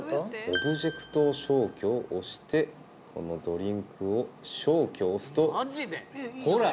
オブジェクト消去を押してこのドリンクを消去を押すとほら！